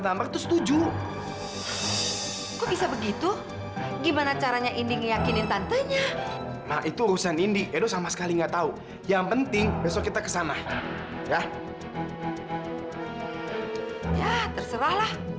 sampai jumpa di video selanjutnya